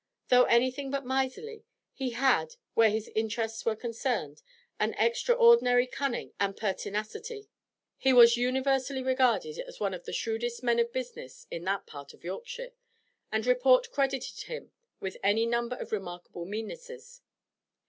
Though anything but miserly, he had, where his interests were concerned, an extraordinary cunning and pertinacity; he was universally regarded as one of the shrewdest men of business in that part of Yorkshire, and report credited him with any number of remarkable meannesses.